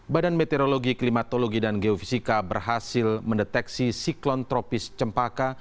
badan meteorologi klimatologi dan geofisika berhasil mendeteksi siklon tropis cempaka